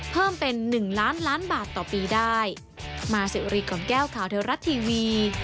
เพิ่มเป็น๑ล้านล้านบาทต่อปีได้